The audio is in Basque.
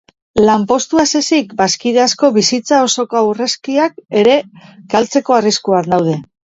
Lanpostua ez ezik, bazkide asko bizitza osoko aurrezkiak ere galtzeko arriskuan daude.